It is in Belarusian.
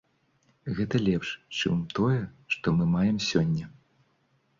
Гэта лепш, чым тое, што мы маем сёння.